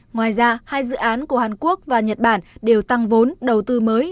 ngoài ra hai dự án của hàn quốc và nhật bản đều tăng vốn đầu tư mới